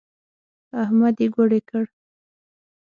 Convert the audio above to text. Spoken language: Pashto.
احمد يې ګوړۍ کړ.